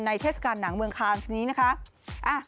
เทศกาลหนังเมืองคานสนี้นะคะ